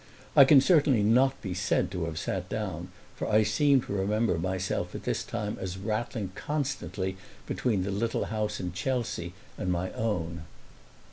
I can certainly not be said to have sat down, for I seem to remember myself at this time as rattling constantly between the little house in Chelsea and my own.